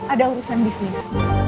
ada urusan bisnis